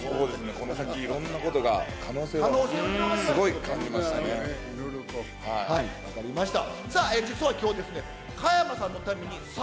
この先、いろんなことが、分かりました。